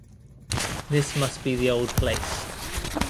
This must be the old place.